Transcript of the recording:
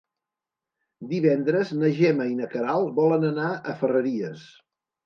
Divendres na Gemma i na Queralt volen anar a Ferreries.